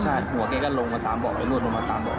ใช่หัวแกก็ลงมาตามบ่อแล้วโนดลงมาตามบ่อเลย